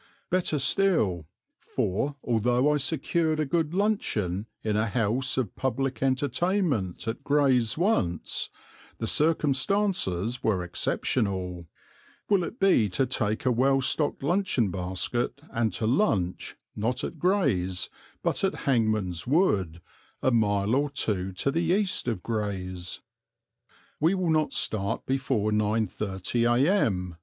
Better still, for although I secured a good luncheon in a house of public entertainment at Grays once the circumstances were exceptional, will it be to take a well stocked luncheon basket and to lunch, not at Grays, but at Hangman's Wood, a mile or two to the east of Grays. We will not start before 9.30 a.m.